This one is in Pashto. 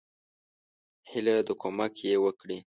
هیله ده کومک یی وکړي.